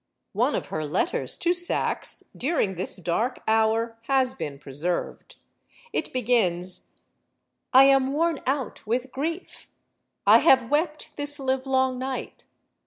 One of her letters to Saxe, during this dark hour, has been preserved. It begins: I am worn out with grief. I have wept this livelong night.